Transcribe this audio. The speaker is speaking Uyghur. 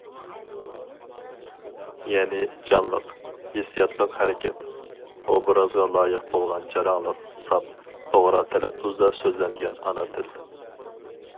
يەنى جانلىق، ھېسسىياتلىق ھەرىكەت، ئوبرازغا لايىق بولغان جاراڭلىق، ساپ، توغرا تەلەپپۇزدا سۆزلەنگەن ئانا تىل.